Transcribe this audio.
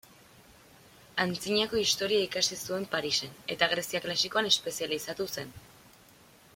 Antzinako historia ikasi zuen Parisen, eta Grezia klasikoan espezializatu zen.